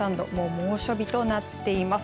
猛暑日となっています。